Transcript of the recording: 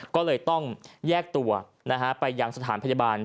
ก็เลยต้องแยกตัวไปยังสถานพยาบาล